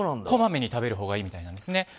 こまめに食べるほうがいいみたいなんですね。